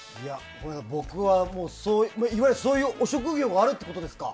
僕は、いわゆるそういうご職業があるということですか？